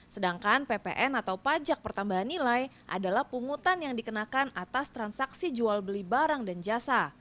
sedangkan ppn atau pajak pertambahan nilai adalah pungutan yang dikenakan atas transaksi jual beli barang dan jasa